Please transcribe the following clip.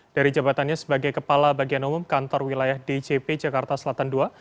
dari jabatannya sebagai kepala bagian umum kantor wilayah djp jakarta selatan ii